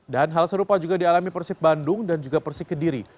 hal serupa juga dialami persib bandung dan juga persik kediri